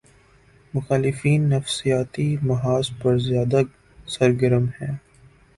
مخالفین نفسیاتی محاذ پر زیادہ سرگرم ہیں۔